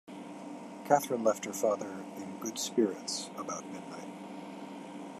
Kathryn left her father "in good spirits" about midnight.